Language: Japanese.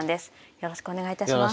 よろしくお願いします。